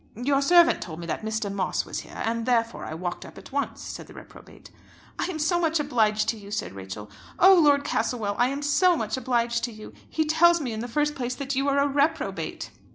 "Your servant told me that Mr. Moss was here, and therefore I walked up at once," said the reprobate. "I am so much obliged to you," said Rachel. "Oh Lord Castlewell! I am so much obliged to you. He tells me in the first place that you are a reprobate."